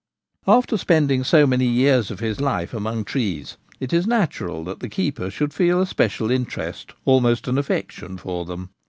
After spending so many years of his life among trees, it is natural that the keeper should feel a special interest, almost an affection for them.